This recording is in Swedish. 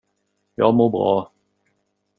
Jag mår bra.